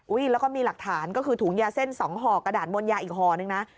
แล้วก็มีหลักฐานก็คือถุงยาเส้นสองห่อกระดาษมนยาอีกห่อนึงนะ